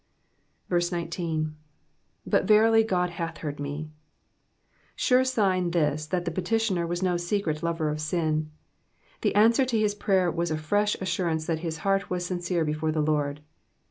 19. ^^But ver^y Qod hath heard fw^." Sure sign this that the petitioner was no secret lover of sin. The answer to his prayer was a fresh assurance that his heart was sincere before the Lord.